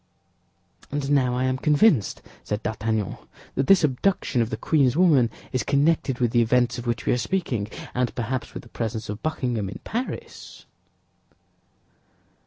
"And now I am convinced," said D'Artagnan, "that this abduction of the queen's woman is connected with the events of which we are speaking, and perhaps with the presence of Buckingham in Paris."